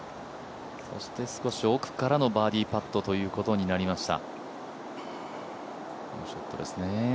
少し奥からのバーディーパットということになりました。